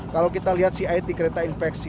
kalau kita lihat cit kereta infeksi